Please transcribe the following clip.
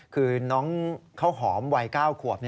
คือน้องข้าวหอมวัย๙ขวบ